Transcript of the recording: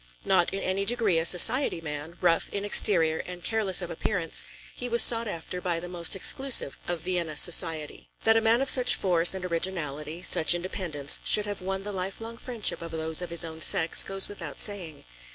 Not in any degree a society man, rough in exterior and careless of appearance, he was sought after by the most exclusive of Vienna society. That a man of such force and originality, such independence, should have won the lifelong friendship of those of his own sex, goes without saying.